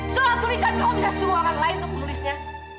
surat tulisan kamu bisa suruh orang lain untuk menulisnya